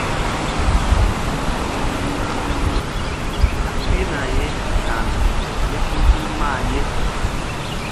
Nzak pihna ye ka̧h nzuk kétul hul mah ye.